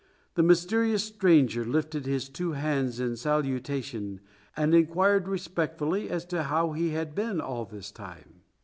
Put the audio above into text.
The mysterious stranger lifted his two hands in salutation and inquired respectfully as to how he had been all this time.